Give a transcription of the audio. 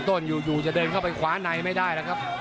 ต้นอยู่จะเดินเข้าไปคว้าในไม่ได้แล้วครับ